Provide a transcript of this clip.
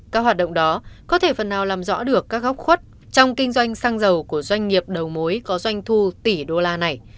các hoạt động đó có thể phần nào làm rõ được các góc khuất trong kinh doanh xăng dầu của doanh nghiệp đầu mối có doanh thu tỷ đô la này